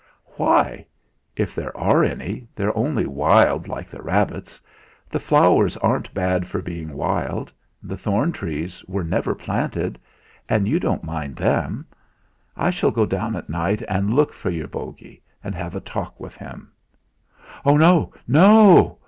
"Why? If there are any, they're only wild, like the rabbits. The flowers aren't bad for being wild; the thorn trees were never planted and you don't mind them. I shall go down at night and look for your bogie, and have a talk with him." "Oh, no! Oh, no!"